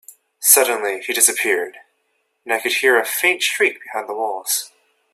Suddenly, he disappeared, and I could hear a faint shriek behind the walls.